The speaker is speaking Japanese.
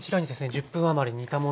１０分余り煮たものが。